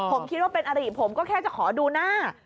ผมคิดว่าเป็นอริผมก็แค่จะขอดูหน้า